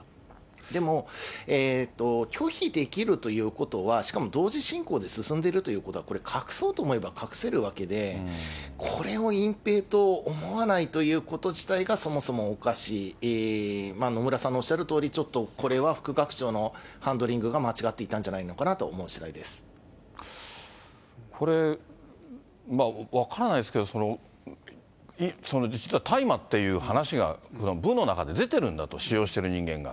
でも拒否できるということは、しかも同時進行で進んでるということは、これ、隠そうと思えば、隠せるわけで、これを隠蔽と思わないということ自体がそもそもおかしい、野村さんがおっしゃるとおり、これは副学長のハンドリングが間違っていたんじゃないのかなと思これ、分からないですけど、一度は大麻っていう話が部の中で出てるんだと、使用している人間が。